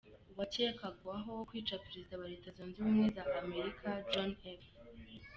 Uwakekwagaho kwica perezida wa Leta zunze ubumwe za Amerika John F.